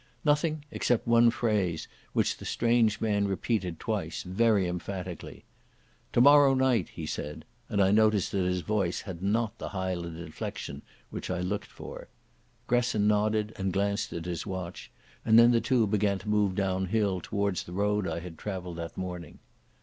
Nothing except one phrase, which the strange man repeated twice, very emphatically. "Tomorrow night," he said, and I noticed that his voice had not the Highland inflection which I looked for. Gresson nodded and glanced at his watch, and then the two began to move downhill towards the road I had travelled that morning.